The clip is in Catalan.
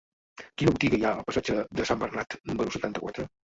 Quina botiga hi ha al passatge de Sant Bernat número setanta-quatre?